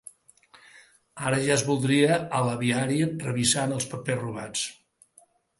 Ara ja els voldria a l'aviari, revisant els papers robats.